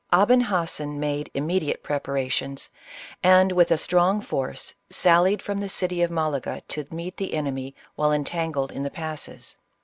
Aben Hassen made immediate preparations, and, with a strong force, sallied from the city of Malaga to meet the enemy, while entangled in the passes.